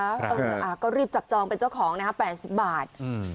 เออก็รีบจับจองเป็นเจ้าของนะ๘๐บาท